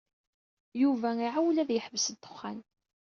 Yuba iɛewwel ad yeḥbes ddexxan.